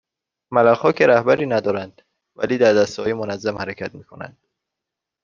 ملخها که رهبری ندارند ولی در دستههای منظم حرکت میکنند